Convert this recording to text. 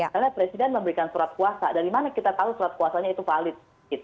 karena presiden memberikan surat kuasa dari mana kita tahu surat kuasanya itu valid